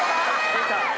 出た！